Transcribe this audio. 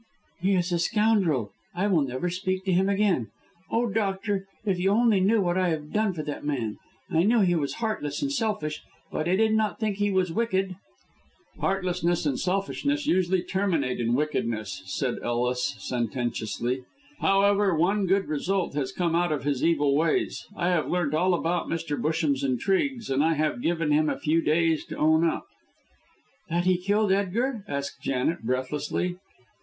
"He is a scoundrel! I will never speak to him again. Oh, doctor, if you only knew what I have done for that man. I knew he was heartless and selfish, but I did not think he was wicked." "Heartlessness and selfishness usually terminate in wickedness," said Ellis, sententiously. "However, one good result has come out of his evil ways. I have learnt all about Mr. Busham's intrigues, and I have given him a few days to own up." "That he killed Edgar?" asked Janet, breathlessly.